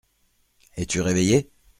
Es-tu réveillé ?